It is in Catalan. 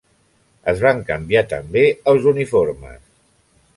Es van canviar també els uniformes.